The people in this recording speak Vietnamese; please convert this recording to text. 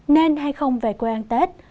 nên hay không về quê ăn tết